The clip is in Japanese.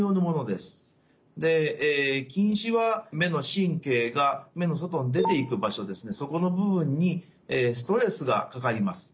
で近視は目の神経が目の外に出ていく場所ですねそこの部分にストレスがかかります。